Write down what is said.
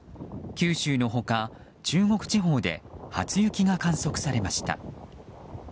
九州の他、中国地方で初雪が観測されました。